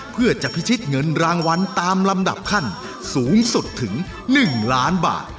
เพื่อจะพิชิตเงินรางวัลตามลำดับขั้นสูงสุดถึง๑ล้านบาท